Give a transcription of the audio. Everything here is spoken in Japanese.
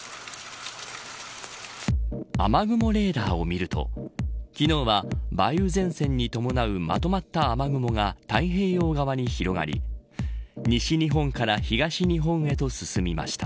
雨雲レーダーを見ると昨日は、梅雨前線に伴うまとまった雨雲が太平洋側に広がり西日本から東日本へと進みました。